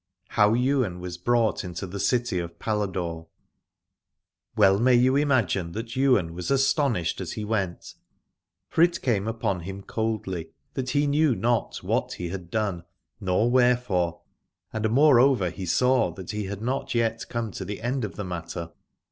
HOW YWAIN WAS BROUGHT INTO THE CITY OF PALADORE. Well may you imagine that Ywain was astonished as he went, for it came upon him coldly that he knew not what he had done, nor wherefore, and moreover he saw that he had not yet come to the end of the matter.